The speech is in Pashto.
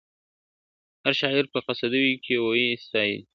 هرشاعر په قصیدو کي وي ستایلی ..